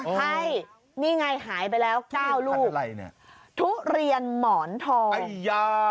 ใช่นี่ไงหายไปแล้วเจ้าลูกทุเรียนหมอนทอง